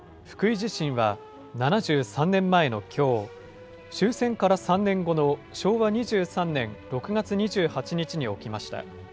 地震は、７３年前のきょう、終戦から３年後の昭和２３年６月２８日に起きました。